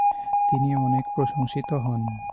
তিনি অনেক প্রশংসিত হন।